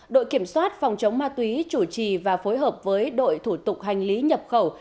đội kiểm soát phòng chống ma túy chủ trì và phối hợp với đội thủ tục hành lý nhập khẩu